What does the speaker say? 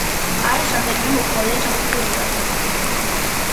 არის რამდენიმე მოქმედი და ჩამქრალი ვულკანი.